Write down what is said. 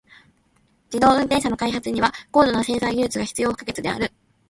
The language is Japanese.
自動運転車の開発には高度なセンサー技術が必要不可欠である。